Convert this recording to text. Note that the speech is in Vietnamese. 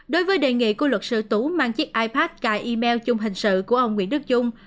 đối với đề nghị của luật sư tú mang chiếc ipad k email chung hình sự của ông nguyễn đức trung